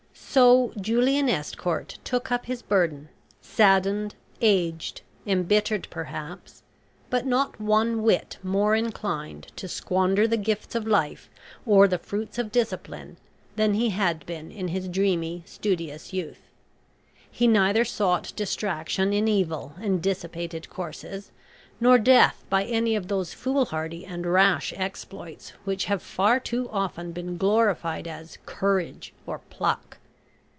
So Julian Estcourt took up his burden saddened, aged, embittered perhaps, but not one whit more inclined to squander the gifts of life or the fruits of discipline than he had been in his dreamy, studious youth. He neither sought distraction in evil and dissipated courses, nor death by any of those foolhardy and rash exploits which have far too often been glorified as "courage" or "pluck."